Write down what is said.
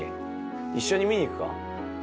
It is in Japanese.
一緒に見にいくか？